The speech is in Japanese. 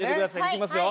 いきますよ。